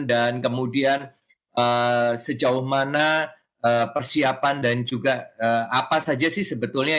dan kemudian sejauh mana persiapan dan juga apa saja sih sebetulnya